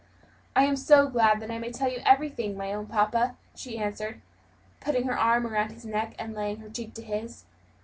"I am so glad that I may tell you everything, my own papa," she answered, putting her arm around his neck, and laying her cheek to his.